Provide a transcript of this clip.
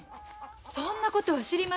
そんなことは知りません。